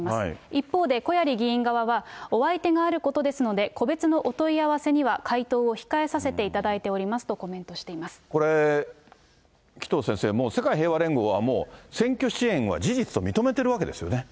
一方で小鑓議員側は、お相手があることですので、個別のお問い合わせには回答を控えさせていただいておりますとコこれ、紀藤先生、もう世界平和連合は、もう選挙支援は事実と認めているわけですよね。